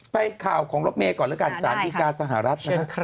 ข่าวของรถเมย์ก่อนแล้วกันสารดีการสหรัฐนะครับ